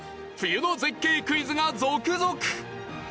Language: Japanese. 冬の絶景クイズが続々！